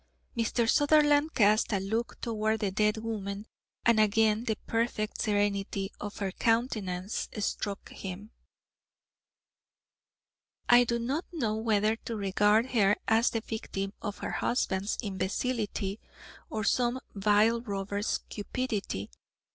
Mr. Sutherland cast a look toward the dead woman, and again the perfect serenity of her countenance struck him. "I do not know whether to regard her as the victim of her husband's imbecility or of some vile robber's cupidity.